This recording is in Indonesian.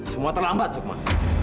semua terlambat sukma